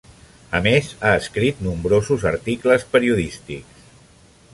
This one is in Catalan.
A més ha escrit nombrosos articles periodístics.